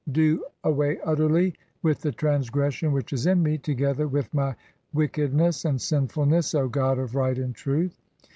"Do away utterly with the transgression which is in me, together "with [my] wickedness and sinfulness, O god of Right and Truth.